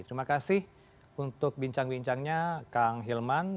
terima kasih untuk bincang bincangnya kang hilman